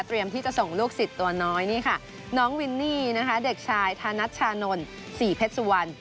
ที่จะส่งลูกศิษย์ตัวน้อยนี่ค่ะน้องวินนี่นะคะเด็กชายธนัชชานนท์ศรีเพชรสุวรรณ